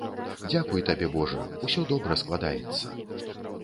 Дзякуй табе, божа, усё добра складаецца.